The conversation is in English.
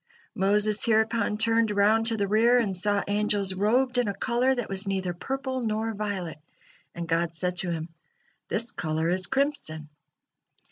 Moses hereupon turned around to the rear, and saw angels robed in a color that was neither purple nor violet, and God said to him: "This color is crimson."